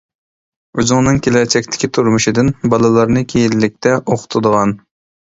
ئۆزۈڭنىڭ كېلەچەكتىكى تۇرمۇشىدىن، بالىلارنى كېيىنلىكتە ئوقۇتىدىغان.